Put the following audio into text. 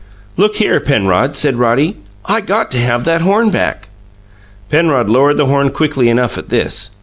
"Look here, Penrod," said Roddy, "I got to have that horn back." Penrod lowered the horn quickly enough at this.